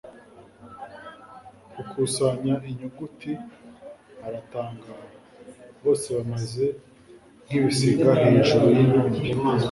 gukusanya inyuguti! 'aratangara. 'bose bameze nk'ibisiga hejuru y'intumbi